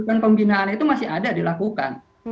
pembinaan itu masih ada dilakukan